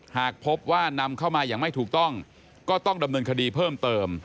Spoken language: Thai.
หากพบว่านำเข้ามาอย่างไม่ถูกต้องก็ต้องดำเนินคดีเพิ่มเติม